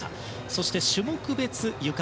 そして種目別ゆか。